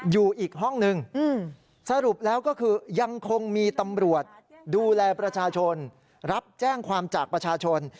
อยู่อีกห้องนึงสรุปแล้วก็คือยังคงมีตำรวจดูแลประชาชนรับแจ้งความจากประชาชน